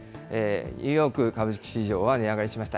ニューヨーク株式市場は値上がりしました。